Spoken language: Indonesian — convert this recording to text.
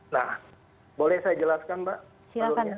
nah boleh saya jelaskan mbak alurnya